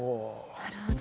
なるほど。